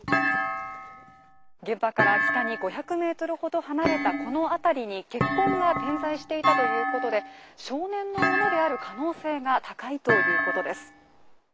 現場から北に５００ｍほど離れたこの辺りに血痕が点在していたということで、少年のものである可能性が高いということです。